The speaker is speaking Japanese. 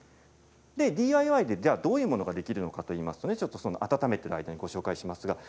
ＤＩＹでどんなものができるかといいますと温めてる間にご紹介します。